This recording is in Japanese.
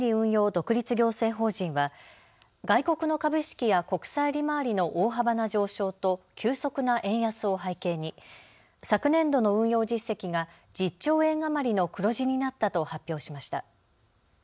独立行政法人は外国の株式や国債利回りの大幅な上昇と急速な円安を背景に昨年度の運用実績が１０兆円余りの黒字になったと発表しました。